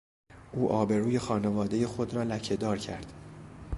او آبروی خانوادهی خود را لکهدار کرد.